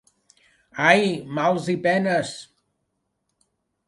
Ai, mals i penes!